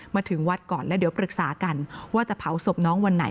มาถึงวัดก่อนแล้วเดี๋ยวปรึกษากันว่าจะเผาศพน้องวันไหน